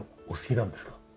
お好きなんですか？